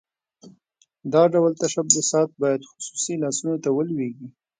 دا ډول تشبثات باید خصوصي لاسونو ته ولویږي.